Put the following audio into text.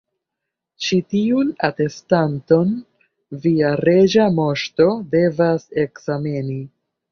Ĉi tiun atestanton via Reĝa Moŝto devas ekzameni.